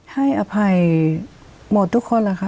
ให้อภัยหมดทุกคนแหละค่ะ